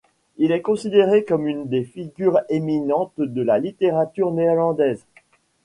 Il est considéré comme une des figures éminentes de la littérature néerlandaise.